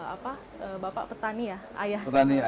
apa bapak petani ya ayah